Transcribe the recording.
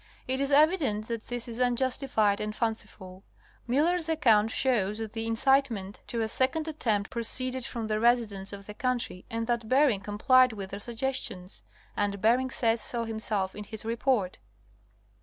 It is evident that this is unjustified and fanciful. Miiller's account shows that the incitement to a second attempt proceeded from the resi. dents of the country and that Bering complied with their suggestions ; and Bering says so himself in his report.